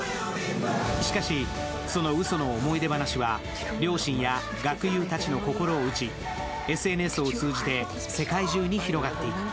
しかし、そのうその思い出話は両親や学友たちの心を打ちＳＮＳを通じて世界中に広がっていく。